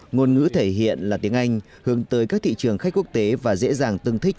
ngôn ngữ thể hiện là tiếng anh hướng tới các thị trường khách quốc tế và dễ dàng tương thích